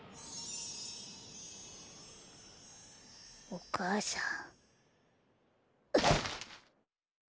お母さん。